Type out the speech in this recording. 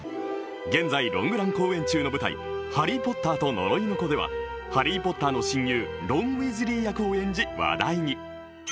現在ロングラン公演中の舞台、「ハリー・ポッターと呪いの子」ではハリー・ポッターの親友、ロン・ウィーズリー役を演じ話題に。